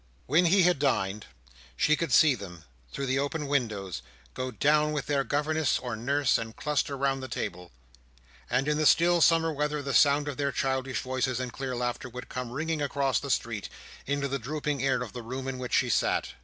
When he had dined, she could see them, through the open windows, go down with their governess or nurse, and cluster round the table; and in the still summer weather, the sound of their childish voices and clear laughter would come ringing across the street, into the drooping air of the room in which she sat.